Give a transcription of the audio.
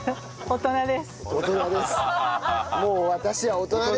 大人です。